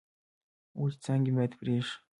وچې څانګې باید پرې شي.